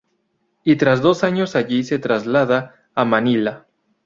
Y tras dos años allí se traslada a Manila.